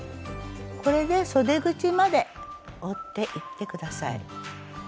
これでそで口まで折っていって下さい。